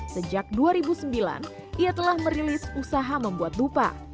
sejak dua ribu sembilan ia telah merilis usaha membuat dupa